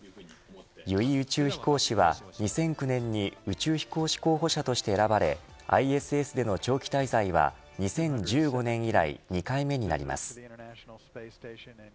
油井宇宙飛行士は２００９年に宇宙飛行士候補者として選ばれＩＳＳでの長期滞在は２０１５年以来２回目になります。